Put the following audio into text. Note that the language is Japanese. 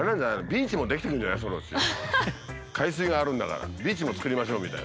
海水があるんだからビーチもつくりましょうみたいな。